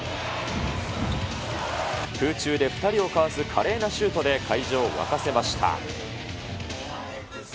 空中で２人をかわす華麗なシュートで会場を沸かせました。